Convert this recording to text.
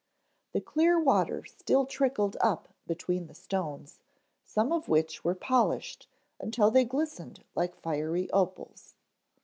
The clear water still trickled up between the stones, some of which were polished until they glistened like fiery opals.